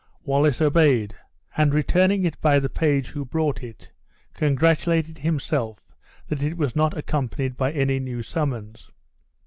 Wallace obeyed; and returning it by the page who brought it, congratulated himself that it was not accompanied by any new summons.